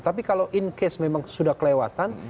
tapi kalau in case memang sudah kelewatan